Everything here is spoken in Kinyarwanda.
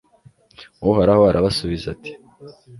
uhoraho arabasubiza ati